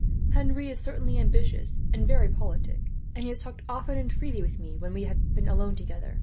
Henry is certainly ambitious and very politic, and he has talked often and freely with me, when we have been alone together.